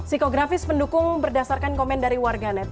psikografis pendukung berdasarkan komen dari warganet